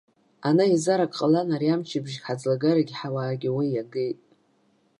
Ана еизарак ҟалан, ари амчыбжьык ҳаӡлагарагь ҳауаагь уи иагеит.